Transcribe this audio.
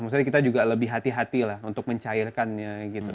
maksudnya kita juga lebih hati hati lah untuk mencairkannya gitu